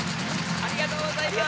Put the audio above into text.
ありがとうございます。